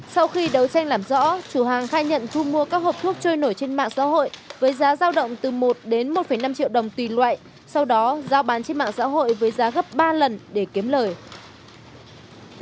sau khi đấu tranh làm rõ chủ hàng khai nhận thu mua các hộp thuốc trôi nổi trên mạng xã hội với giá giao động từ một đến một năm triệu đồng tùy loại sau đó giao bán trên mạng xã hội với giá gấp ba lần để kiếm lời